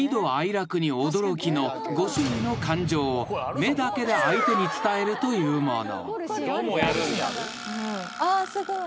楽に驚きの５種類の感情を目だけで相手に伝えるというもの］